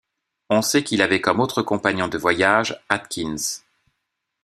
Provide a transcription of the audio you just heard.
On sait qu'il avait comme autre compagnon de voyage Atkins.